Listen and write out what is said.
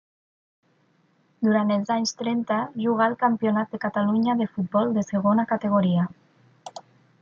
Durant els anys trenta, jugà el Campionat de Catalunya de futbol de segona categoria.